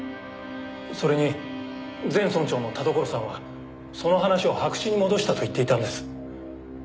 それに前村長の田所さんはその話を白紙に戻したと言っていたんです。